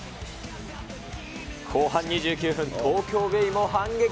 後半２９分、東京ベイも反撃。